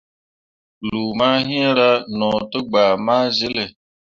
Lu mah hiŋra mo tegbah ma zele.